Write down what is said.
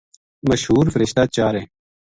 مشہور فرشتہ چار ہیں۔